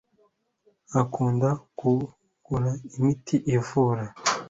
akunda kuguha imiti ivura